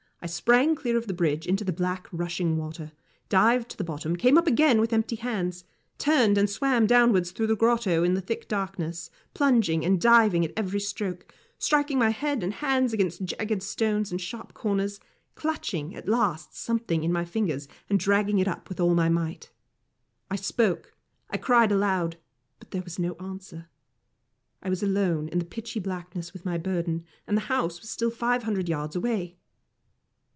I sprang clear of the bridge into the black rushing water, dived to the bottom, came up again with empty hands, turned and swam downwards through the grotto in the thick darkness, plunging and diving at every stroke, striking my head and hands against jagged stones and sharp corners, clutching at last something in my fingers, and dragging it up with all my might. I spoke, I cried aloud, but there was no answer. I was alone in the pitchy blackness with my burden, and the house was five hundred yards away.